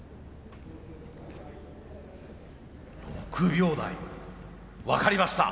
６秒台分かりました。